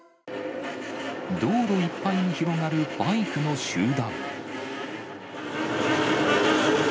道路いっぱいに広がるバイクの集団。